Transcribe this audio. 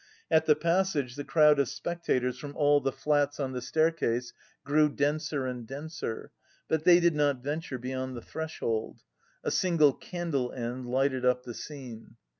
In the passage the crowd of spectators from all the flats on the staircase grew denser and denser, but they did not venture beyond the threshold. A single candle end lighted up the scene.